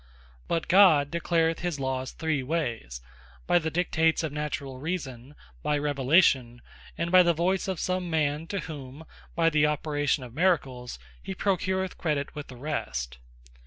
But God declareth his Lawes three wayes; by the Dictates of Naturall Reason, By Revelation, and by the Voyce of some Man, to whom by the operation of Miracles, he procureth credit with the rest.